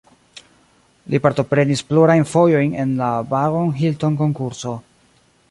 Li partoprenis plurajn fojojn en la Barron-Hilton-konkurso.